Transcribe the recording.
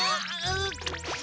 うっ！